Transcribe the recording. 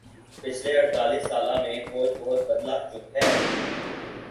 پچھلے اڑتالیس سالہ میں فوج بہت بدلہ چک ہے